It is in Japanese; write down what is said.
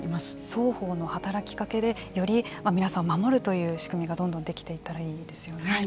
双方の働きかけでより皆さんを守るという仕組みがどんどんできていったらいいですよね。